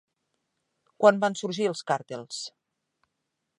Quan van sorgir els càrtels?